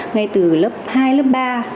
ngay từ lớp hai lớp ba